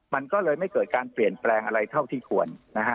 มันก็เลยไม่เกิดการเปลี่ยนแปลงอะไรเท่าที่ควรนะฮะ